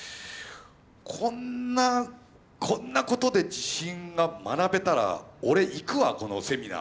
こんなこんなことで自信が学べたら俺行くわこのセミナー。